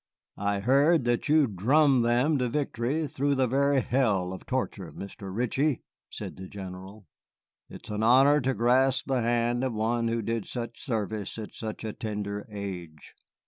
"I hear that you drummed them to victory through a very hell of torture, Mr. Ritchie," said the General. "It is an honor to grasp the hand of one who did such service at such a tender age."